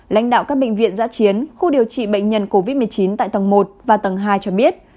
lãnh đạo các bệnh viện giã chiến khu điều trị bệnh nhân covid một mươi chín tại tầng một và tầng hai cho biết